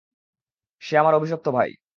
সে আমার অভিশপ্ত ভাই।